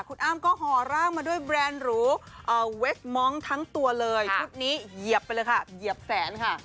คุณอ้ำก็ห่อร่างมาด้วยแบรนด์หรูเวสมองค์ทั้งตัวเลยชุดนี้เหยียบไปเลยค่ะเหยียบแสนค่ะ